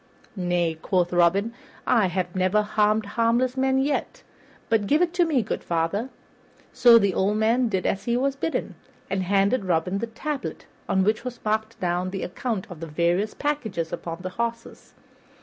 "Nay," quoth Robin, "I have never harmed harmless man yet; but give it to me, good father." So the old man did as he was bidden, and handed Robin the tablet on which was marked down the account of the various packages upon the horses.